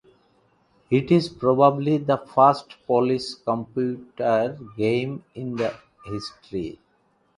It was probably the first Polish computer game in history.